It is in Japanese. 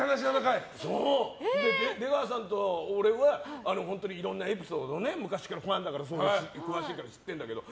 出川さんと俺は本当にいろんなエピソードを昔からファンだから詳しいから知ってるんだけど